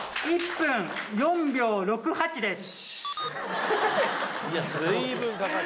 １分４秒６８です。